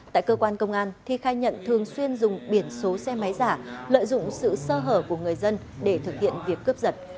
tại cơ quan công an thi khai nhận thường xuyên dùng biển số xe máy giả lợi dụng sự sơ hở của người dân để thực hiện việc cướp giật